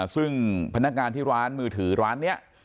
ซึ่งพนักงานที่ร้านมือถือร้านนี้